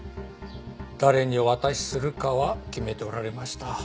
誰にお渡しするかは決めておられました。